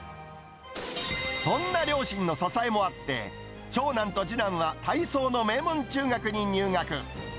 そんな両親の支えもあって、長男と次男は体操の名門中学に入学。